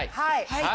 はい。